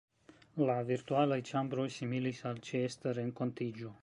La virtualaj ĉambroj similis al ĉeesta renkontiĝo.